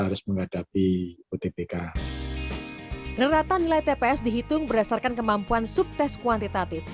rata rata nilai tps dihitung berdasarkan kemampuan subtes kuantitatif